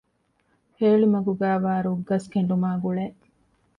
ހޭޅިމަގުގައިވާ ރުއްގަސް ކެނޑުމާއި ގުޅޭ